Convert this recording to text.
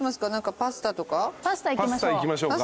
パスタいきましょうか。